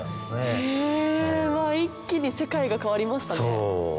へぇ一気に世界が変わりましたね。